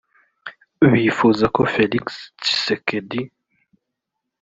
bifuza ko Felix Tshisekedi